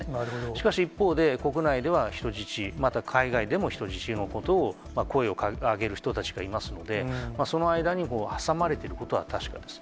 しかし、一方で、国内では人質、また海外でも人質のことを、声を上げる人たちがいますので、その間に挟まれてることは確かです。